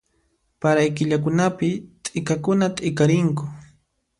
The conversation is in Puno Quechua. Paray killakunapi t'ikakuna t'ikarinku